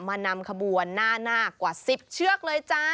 นำขบวนหน้ากว่า๑๐เชือกเลยจ้า